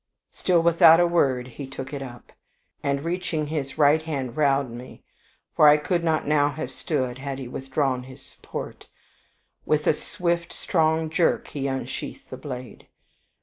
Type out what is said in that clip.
Still without a word he took it up, and reaching his right hand round me, for I could not now have stood had he withdrawn his support, with a swift strong jerk he unsheathed the blade.